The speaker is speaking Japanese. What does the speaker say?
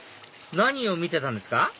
何を見てたんですか？